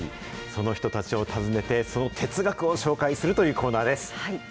その人たちを訪ねて、その哲学を紹介するというコーナーです。